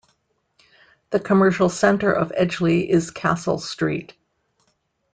The commercial centre of Edgeley is Castle Street.